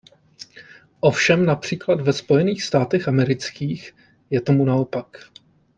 Ovšem například ve Spojených státech amerických je tomu naopak.